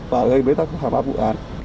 và gây bế tắc khả bạc vụ án